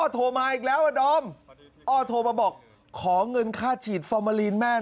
โทรมาอีกแล้วอ่ะดอมอ้อโทรมาบอกขอเงินค่าฉีดฟอร์มาลีนแม่